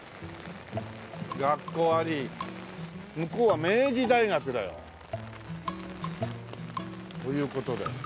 学校あり向こうは明治大学だよ。という事だよ。